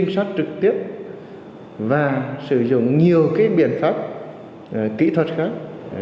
cảnh sát trực tiếp và sử dụng nhiều biện pháp kỹ thuật khác